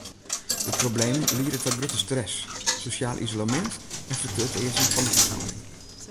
De problemen liede ta grutte stress, sosjaal isolemint en fertutearzing fan de húshâlding.